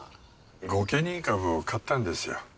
御家人株を買ったんですよ。